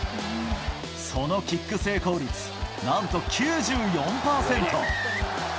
そのキック成功率なんと９４％。